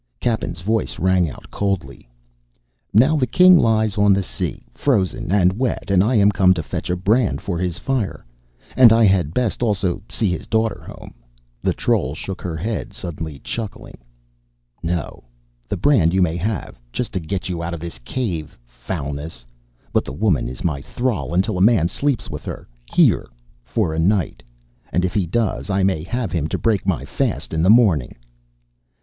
Cappen's voice rang out, coldly: "Now the king lies on the sea, frozen and wet, and I am come to fetch a brand for his fire. And I had best also see his daughter home." The troll shook her head, suddenly chuckling. "No. The brand you may have, just to get you out of this cave, foulness; but the woman is in my thrall until a man sleeps with her here for a night. And if he does, I may have him to break my fast in the morning!"